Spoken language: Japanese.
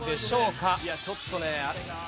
いやちょっとねあれが。